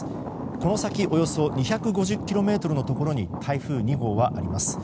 この先およそ２５０ｋｍのところに台風２号はあります。